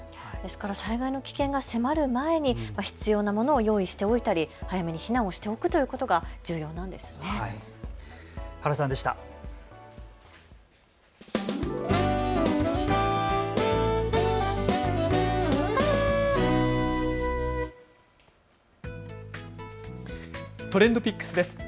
災害の危険が迫る前に必要なものを用意しておいたり早めに避難をしておくということが重要なんですね。